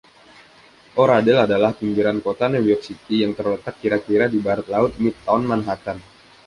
Oradell adalah pinggiran kota New York City, yang terletak kira-kira di barat laut Midtown Manhattan.